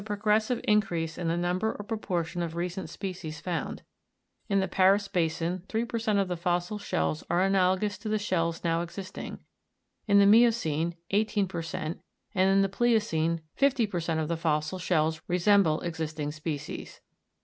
progressive increase in the number or proportion of recent species found : in the Paris basin three per cent, of the fossil shells are analogous to the shells now .existing ; in the miocene, eighteen per cent., and in the pliocene fifty per cent, of the fossil shells resem ble existing species.